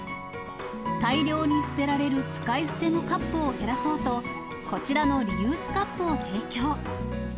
大量に捨てられる使い捨てのカップを減らそうと、こちらのリユースカップを提供。